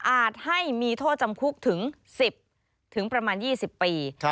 ให้มีโทษจำคุกถึง๑๐ถึงประมาณ๒๐ปี